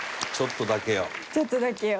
「ちょっとだけよ」。